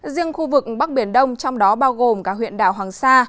riêng khu vực bắc biển đông trong đó bao gồm cả huyện đảo hoàng sa